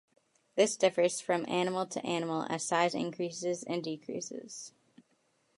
This differs from animal to animal as size increases and decreases.